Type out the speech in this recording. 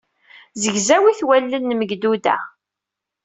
Zegzawit wallen n Megduda.